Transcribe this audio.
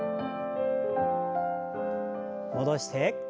戻して。